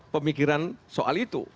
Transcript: pemikiran soal itu